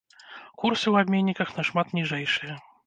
Курсы ў абменніках нашмат ніжэйшыя.